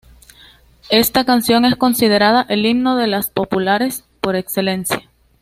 Esta canción es considerada el himno de "Las Populares" por excelencia.